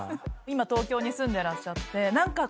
今東京に住んでらっしゃって何か